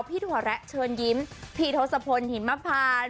ถั่วแระเชิญยิ้มพี่ทศพลหิมพาน